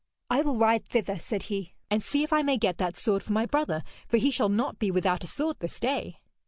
'I will ride thither,' said he, 'and see if I may get that sword for my brother, for he shall not be without a sword this day.'